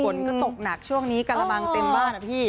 ฝนก็ตกหนักช่วงนี้กระมังเต็มบ้านนะพี่